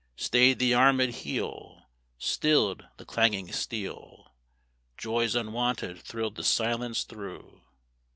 Stayed the armèd heel; Stilled the clanging steel; Joys unwonted thrilled the silence through.